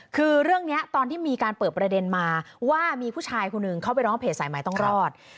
คือเรื่องนี้ตอนที่มีการเปิดประเด็นมาว่ามีผู้ชายคนหนึ่งเข้าไปร้องเพจสายใหม่ต้องรอด